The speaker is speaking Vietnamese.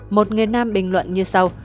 một người nam bình luận như sau